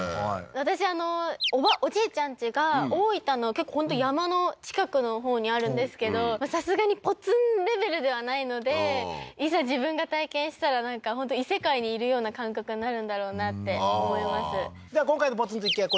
私おじいちゃんちが大分の結構本当に山の近くのほうにあるんですけどさすがにポツンレベルではないのでいざ自分が体験したらなんか本当異世界にいるような感覚になるんだろうなって思いますでは今回のポツンと一軒家